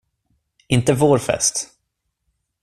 Inte vår fest.